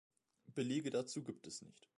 Belege dazu gibt es nicht.